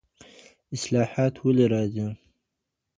اصلاحات ولي راځي؟